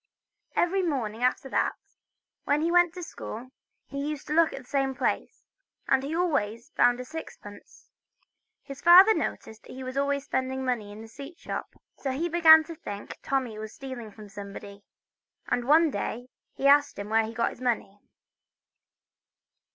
Every morning after that, when he went to school, he used to look in the same place, and he always found a sixpence. His father noticed he was always spending money in the sweet shop, so he began to think Tommy was stealing from somebody, and one day he asked him where he got the money.